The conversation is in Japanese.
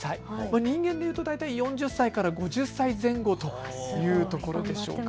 人間でいうと大抵４０歳から５０歳前後というところでしょうか。